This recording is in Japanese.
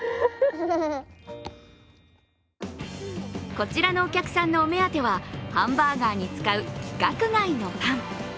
こちらのお客さんのお目当てはハンバーガーに使う規格外のパン。